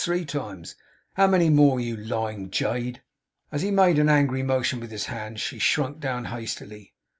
Three times! How many more, you lying jade?' As he made an angry motion with his hand, she shrunk down hastily.